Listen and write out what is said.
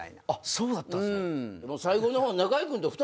そうだったんすね。